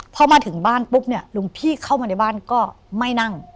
พอมาถึงบ้านปุ๊บเนี่ยหลวงพี่เข้ามาในบ้านก็ไม่นั่ง